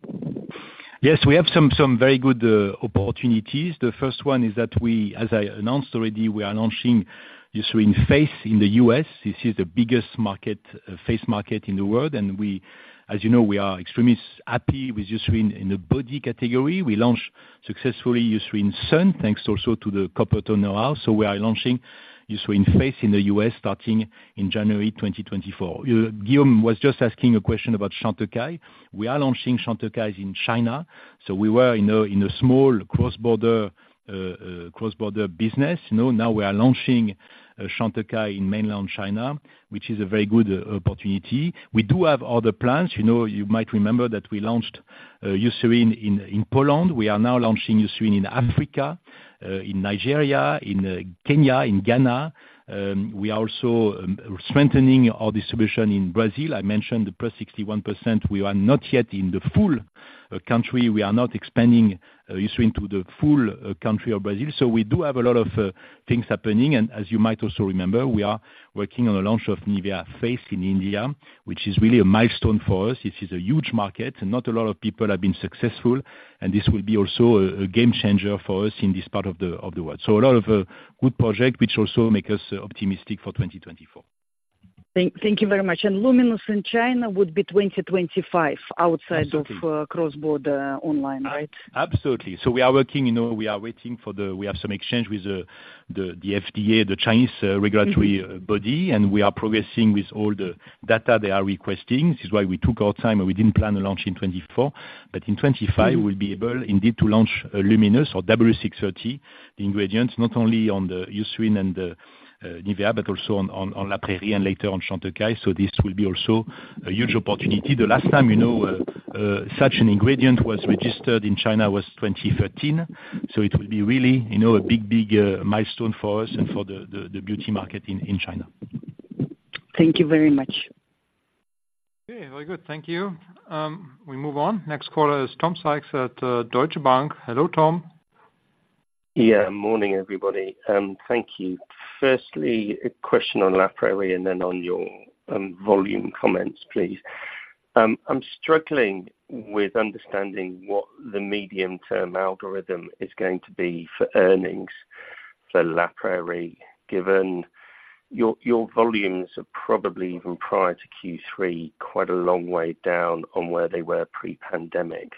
Yes, we have some very good opportunities. The first one is that we, as I announced already, we are launching Eucerin Face in the US. This is the biggest market, face market in the world, and we, as you know, we are extremely happy with Eucerin in the body category. We launched successfully Eucerin Sun, thanks also to the Coppertone. So we are launching Eucerin Face in the US, starting in January 2024. Guillaume was just asking a question about Chantecaille. We are launching Chantecaille in China, so we were in a small cross-border business, you know. Now we are launching Chantecaille in mainland China, which is a very good opportunity. We do have other plans. You know, you might remember that we launched Eucerin in Poland. We are now launching Eucerin in Africa, in Nigeria, in Kenya, in Ghana. We are also strengthening our distribution in Brazil. I mentioned the +61%. We are not yet in the full country. We are not expanding Eucerin to the full country of Brazil. So we do have a lot of things happening. And as you might also remember, we are working on the launch of NIVEA Face in India, which is really a milestone for us. This is a huge market, and not a lot of people have been successful, and this will be also a game changer for us in this part of the world. So a lot of good project, which also make us optimistic for 2024. Thank you very much. And Luminous in China would be 2025 outside of cross-border online, right? Absolutely. So we are working, you know, we are waiting for the, we have some exchange with the FDA, the Chinese regulatory body, and we are progressing with all the data they are requesting. This is why we took our time, and we didn't plan to launch in 2024. But in 2025 we'll be able indeed to launch Luminous or W630, the ingredients, not only on the Eucerin and the NIVEA, but also on La Prairie and later on Chantecaille. So this will be also a huge opportunity. The last time, you know, such an ingredient was registered in China was 2013, so it will be really, you know, a big, big milestone for us and for the beauty market in China. Thank you very much. Okay, very good. Thank you. We move on. Next caller is Tom Sykes at Deutsche Bank. Hello, Tom. Yeah, morning, everybody, thank you. Firstly, a question on La Prairie, and then on your, volume comments, please. I'm struggling with understanding what the medium-term algorithm is going to be for earnings for La Prairie, given your volumes are probably, even prior to Q3, quite a long way down on where they were pre-pandemic.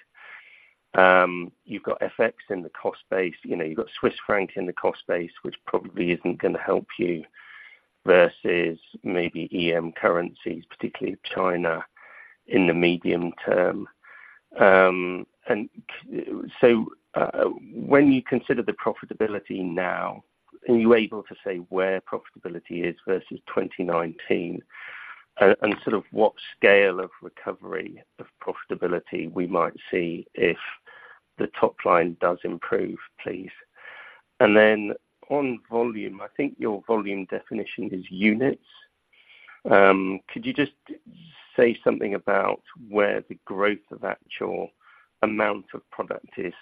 You've got FX in the cost base, you know, you've got Swiss franc in the cost base, which probably isn't going to help you, versus maybe EM currencies, particularly China, in the medium term. And so, when you consider the profitability now, are you able to say where profitability is versus 2019? And sort of what scale of recovery of profitability we might see if the top line does improve, please? And then on volume, I think your volume definition is units. Could you just say something about where the growth of actual amount of product is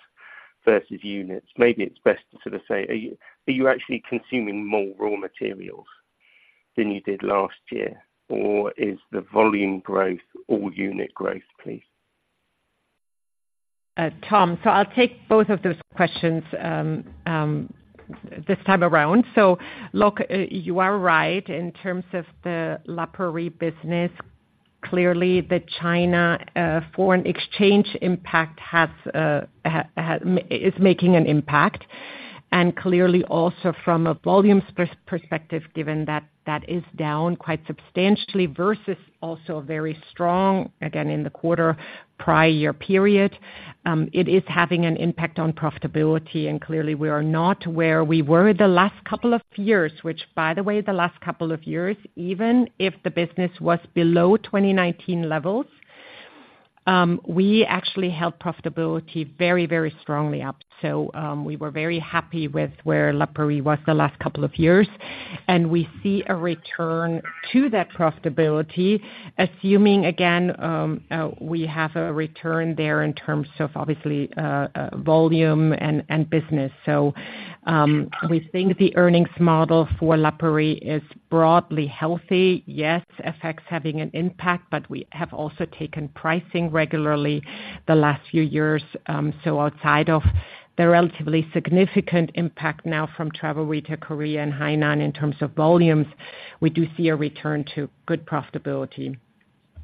versus units? Maybe it's best to sort of say, are you, are you actually consuming more raw materials than you did last year, or is the volume growth all unit growth, please? Tom, so I'll take both of those questions this time around. So look, you are right in terms of the La Prairie business. Clearly, the China foreign exchange impact has is making an impact. And clearly also from a volume perspective, given that that is down quite substantially versus also very strong, again, in the quarter prior year period, it is having an impact on profitability, and clearly we are not where we were the last couple of years. Which by the way, the last couple of years, even if the business was below 2019 levels, we actually held profitability very, very strongly up. So, we were very happy with where La Prairie was the last couple of years. And we see a return to that profitability, assuming again, we have a return there in terms of obviously, volume and business. So, we think the earnings model for La Prairie is broadly healthy. Yes, FX having an impact, but we have also taken pricing regularly the last few years. So, outside of the relatively significant impact now from travel retail, Korea and Hainan, in terms of volumes, we do see a return to good profitability,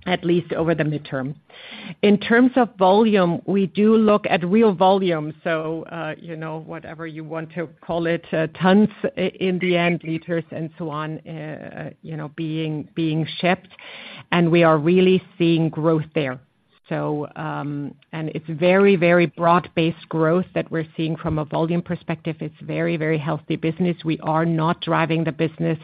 at least over the midterm. In terms of volume, we do look at real volume, so, you know, whatever you want to call it, tons in the end, liters and so on, you know, being shipped, and we are really seeing growth there. So, and it's very, very broad-based growth that we're seeing from a volume perspective. It's very, very healthy business. We are not driving the business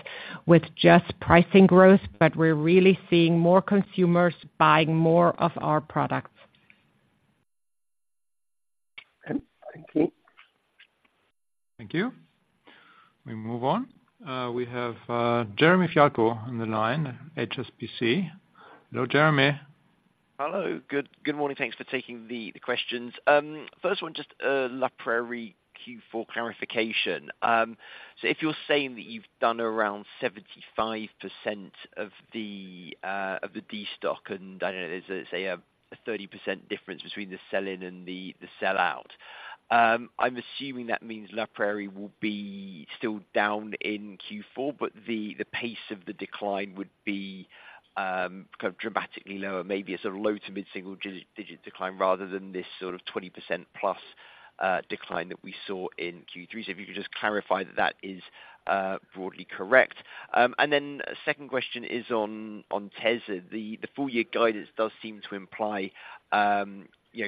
with just pricing growth, but we're really seeing more consumers buying more of our products. Thank you. Thank you. We move on. We have Jeremy Fialko on the line, HSBC. Hello, Jeremy. Hello. Good morning. Thanks for taking the questions. First one, just La Prairie Q4 clarification. So if you're saying that you've done around 75% of the destock, and I don't know, there's, say, a 30% difference between the sell-in and the sell-out, I'm assuming that means La Prairie will be still down in Q4, but the pace of the decline would be kind of dramatically lower, maybe a sort of low- to mid-single-digit decline rather than this sort of 20% plus decline that we saw in Q3. So if you could just clarify that that is broadly correct. And then second question is on Tesa. The full year guidance does seem to imply, you know,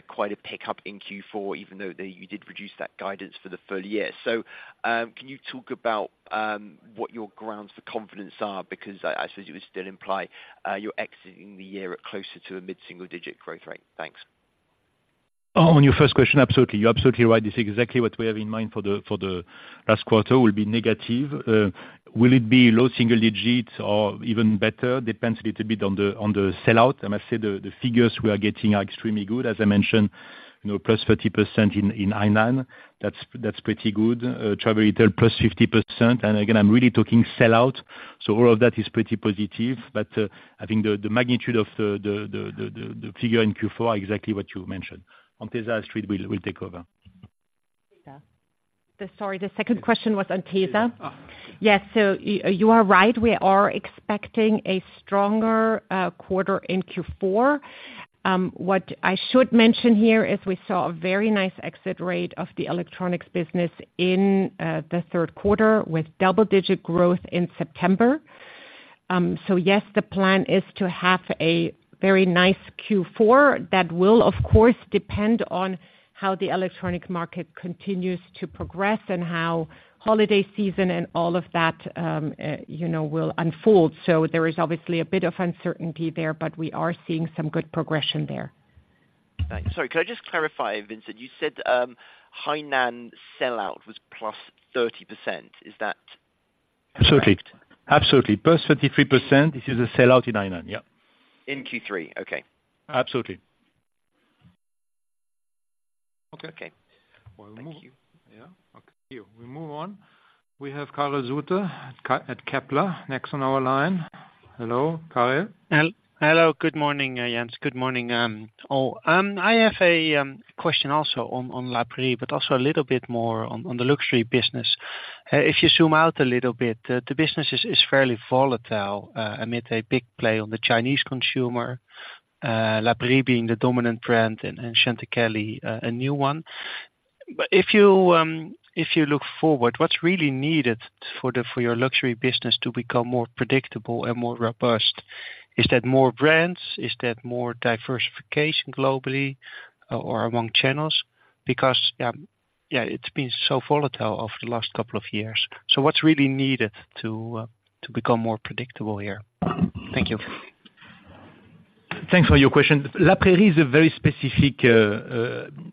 quite a pickup in Q4, even though you did reduce that guidance for the full year. So, can you talk about what your grounds for confidence are? Because I suppose you would still imply you're exiting the year at closer to a mid-single digit growth rate. Thanks. On your first question, absolutely. You're absolutely right. This is exactly what we have in mind for the last quarter will be negative. Will it be low single digits or even better? Depends a little bit on the sellout. I must say, the figures we are getting are extremely good. As I mentioned, you know, +30% in Hainan. That's pretty good. travel retail, +50%, and again, I'm really talking sellout, so all of that is pretty positive. But I think the magnitude of the figure in Q4 are exactly what you mentioned. On Tesa, Astrid will take over. Sorry, the second question was on Tesa? Yes, so you are right, we are expecting a stronger quarter in Q4. What I should mention here is we saw a very nice exit rate of the electronics business in the third quarter, with double-digit growth in September. So yes, the plan is to have a very nice Q4. That will, of course, depend on how the electronic market continues to progress and how holiday season and all of that, you know, will unfold. So there is obviously a bit of uncertainty there, but we are seeing some good progression there. Thanks. Sorry, could I just clarify, Vincent, you said, Hainan sellout was +30%. Is that- Absolutely. Absolutely. +33%, this is the sellout in Hainan, yeah. In Q3, okay. Absolutely. Okay. Okay. Thank you. Yeah. Okay, we move on. We have Karel Zoete at Kepler, next on our line. Hello, Karel? Hello, good morning, Jens. Good morning, all. I have a question also on La Prairie, but also a little bit more on the luxury business. If you zoom out a little bit, the business is fairly volatile amid a big play on the Chinese consumer, La Prairie being the dominant brand, and Chantecaille, a new one. But if you look forward, what's really needed for your luxury business to become more predictable and more robust? Is that more brands? Is that more diversification globally or among channels? Because, yeah, it's been so volatile over the last couple of years. So what's really needed to become more predictable here? Thank you. Thanks for your question. La Prairie is a very specific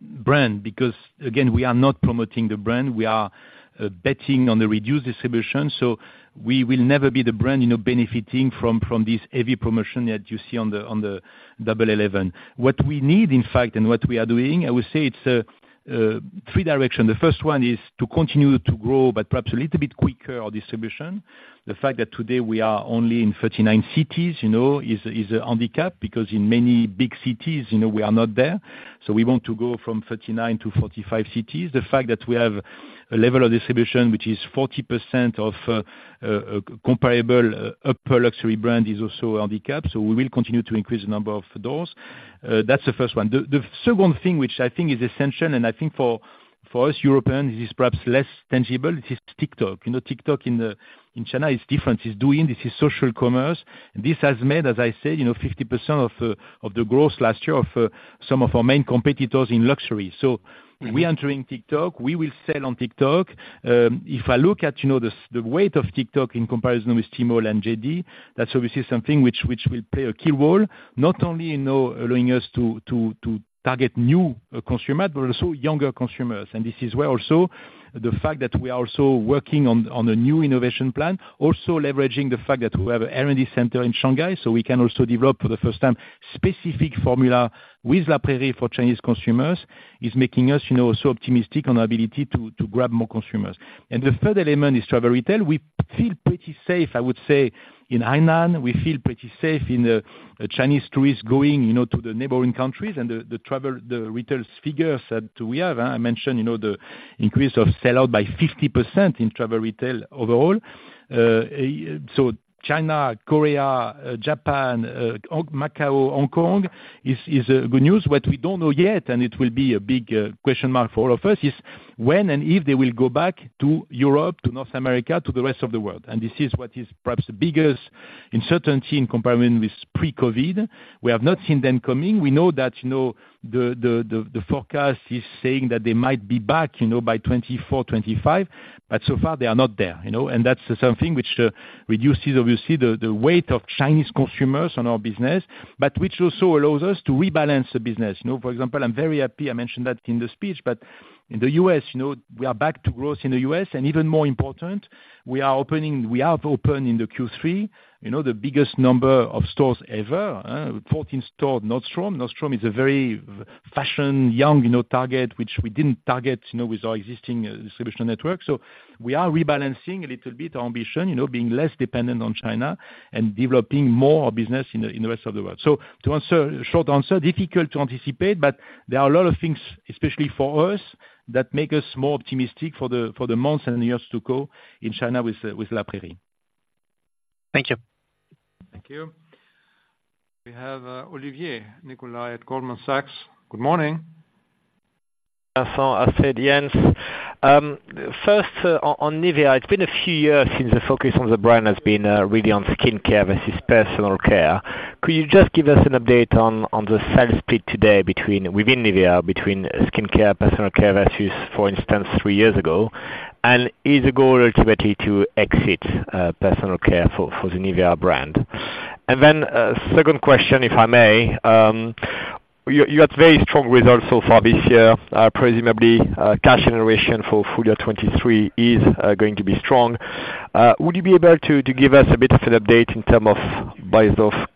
brand, because again, we are not promoting the brand, we are betting on the reduced distribution. So we will never be the brand, you know, benefiting from this heavy promotion that you see on the Double 11. what we need, in fact, and what we are doing, I would say it's a three direction. The first one is to continue to grow, but perhaps a little bit quicker our distribution. The fact that today we are only in 39 cities, you know, is a handicap, because in many big cities, you know, we are not there. So we want to go from 39 to 45 cities. The fact that we have a level of distribution, which is 40% of comparable upper luxury brand, is also a handicap, so we will continue to increase the number of doors. That's the first one. The second thing, which I think is essential, and I think for us Europeans, it is perhaps less tangible, it is TikTok. You know, TikTok in China is different. Is doing, this is social commerce, and this has made, as I said, you know, 50% of the growth last year of some of our main competitors in luxury. So we're entering TikTok, we will sell on TikTok. If I look at, you know, the weight of TikTok in comparison with Tmall and JD, that's obviously something which will play a key role, not only in, you know, allowing us to target new consumer, but also younger consumers. And this is where also the fact that we are also working on a new innovation plan, also leveraging the fact that we have a R&D center in Shanghai, so we can also develop, for the first time, specific formula with La Prairie for Chinese consumers, is making us, you know, so optimistic on our ability to grab more consumers. And the third element is travel retail. We feel pretty safe, I would say, in Hainan, we feel pretty safe in the Chinese tourists going, you know, to the neighboring countries and the travel retail figures that we have, I mentioned, you know, the increase of sell-out by 50% in travel retail overall. So China, Korea, Japan, or Macau, Hong Kong is good news. What we don't know yet, and it will be a big question mark for all of us, is when and if they will go back to Europe, to North America, to the rest of the world, and this is what is perhaps the biggest uncertainty in comparison with pre-COVID. We have not seen them coming. We know that, you know, the forecast is saying that they might be back, you know, by 2024, 2025, but so far they are not there, you know? That's something which reduces, obviously, the weight of Chinese consumers on our business, but which also allows us to rebalance the business. You know, for example, I'm very happy, I mentioned that in the speech, but in the U.S., you know, we are back to growth in the U.S., and even more important, we are opening, we have opened in the Q3, you know, the biggest number of stores ever, 14 store, Nordstrom. Nordstrom is a very fashion, young, you know, target, which we didn't target, you know, with our existing distribution network. So we are rebalancing a little bit ambition, you know, being less dependent on China and developing more business in the rest of the world. To answer, short answer, difficult to anticipate, but there are a lot of things, especially for us, that make us more optimistic for the months and years to go in China with La Prairie. Thank you. Thank you. We have, Olivier Nicolaï at Goldman Sachs. Good morning. First, on NIVEA, it's been a few years since the focus on the brand has been really on skincare versus personal care. Could you just give us an update on the sales split today between within NIVEA, between skincare, personal care versus, for instance, three years ago? And is the goal ultimately to exit personal care for the NIVEA brand? And then, second question, if I may. You had very strong results so far this year. Presumably, cash generation for full year 2023 is going to be strong. Would you be able to give us a bit of an update in terms of Beiersdorf's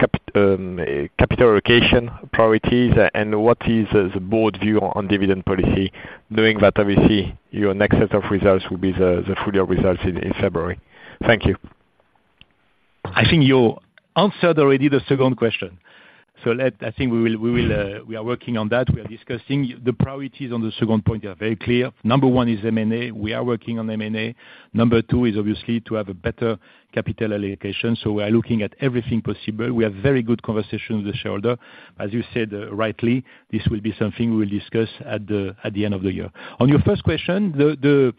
capital allocation priorities, and what is the board's view on dividend policy, knowing that obviously, your next set of results will be the full year results in February? Thank you. I think you answered already the second question. So I think we will, we will, we are working on that. We are discussing. The priorities on the second point are very clear. Number one is M&A. We are working on M&A. Number two is obviously to have a better capital allocation, so we are looking at everything possible. We have very good conversations with shareholder. As you said, rightly, this will be something we will discuss at the, at the end of the year. On your first question the-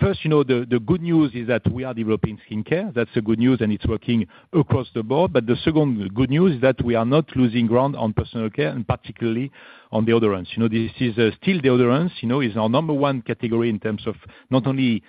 First, you know, the, the good news is that we are developing skincare. That's the good news, and it's working across the board, but the second good news is that we are not losing ground on personal care, and particularly on deodorants. You know, this is still deodorants, you know, is our number one category in terms of not only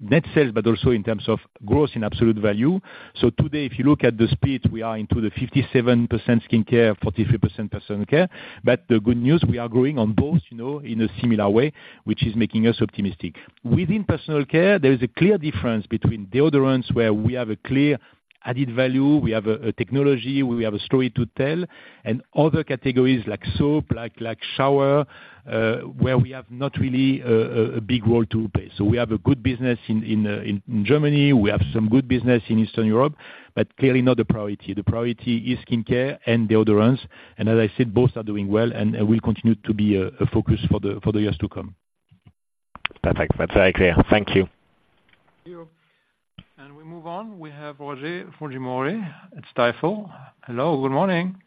net sales, but also in terms of growth in absolute value. So today, if you look at the split, we are into the 57% skincare, 43% personal care. But the good news, we are growing on both, you know, in a similar way, which is making us optimistic. Within personal care, there is a clear difference between deodorants, where we have a clear added value, we have a technology, we have a story to tell, and other categories like soap, like shower, where we have not really a big role to play. So we have a good business in Germany. We have some good business in Eastern Europe, but clearly not the priority. The priority is skincare and deodorants, and as I said, both are doing well and will continue to be a focus for the years to come. Perfect. That's very clear. Thank you. Thank you. We move on. We have Roger Fujimori at Stifel. Hello, good morning.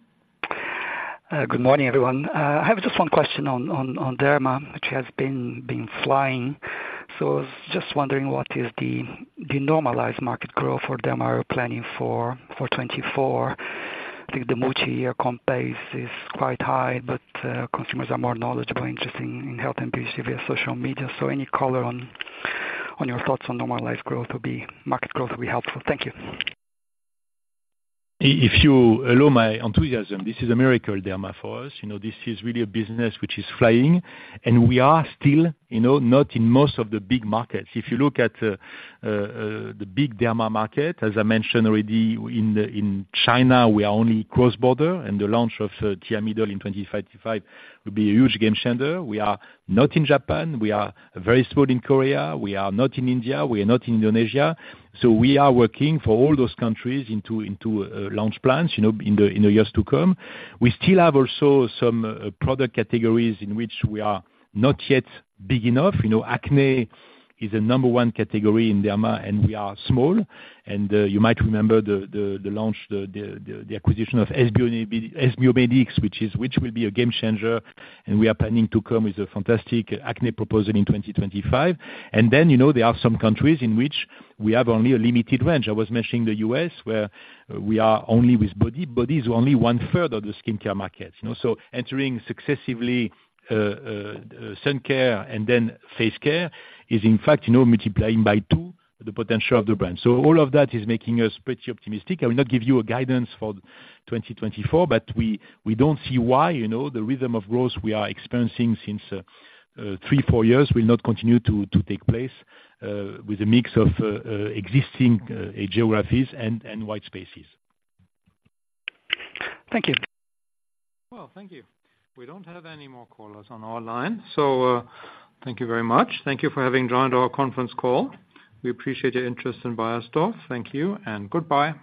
Good morning, everyone. I have just one question on Derma, which has been flying. So I was just wondering what is the normalized market growth for Derma are you planning for 2024? I think the multi-year comp base is quite high, but consumers are more knowledgeable, interested in health and beauty via social media. So any color on your thoughts on normalized growth, market growth will be helpful. Thank you. If you allow my enthusiasm, this is a miracle Derma for us. You know, this is really a business which is flying, and we are still, you know, not in most of the big markets. If you look at the big Derma market, as I mentioned already, in China, we are only cross-border, and the launch of Thiamidol in 2025 will be a huge game changer. We are not in Japan. We are very small in Korea. We are not in India, we are not in Indonesia. So we are working for all those countries into launch plans, you know, in the years to come. We still have also some product categories in which we are not yet big enough. You know, acne is the number one category in Derma, and we are small. And you might remember the launch, the acquisition of S-Biomedic, which will be a game changer, and we are planning to come with a fantastic acne proposal in 2025. And then, you know, there are some countries in which we have only a limited range. I was mentioning the US, where we are only with body. Body is only one third of the skincare market, you know? So entering successively sun care and then face care is in fact, you know, multiplying by two the potential of the brand. So all of that is making us pretty optimistic. I will not give you a guidance for 2024, but we don't see why, you know, the rhythm of growth we are experiencing since three, four years, will not continue to take place with a mix of existing geographies and white spaces. Thank you. Well, thank you. We don't have any more callers on our line, so thank you very much. Thank you for having joined our conference call. We appreciate your interest in Beiersdorf. Thank you and goodbye.